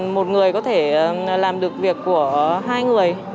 một người có thể làm được việc của hai người